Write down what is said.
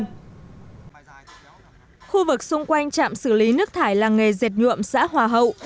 khu vực xung quanh trạm xử lý nước thải làng nghề dệt nhuộm xã hòa hậu